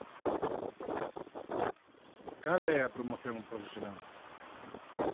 ¿Cal é a promoción profesional?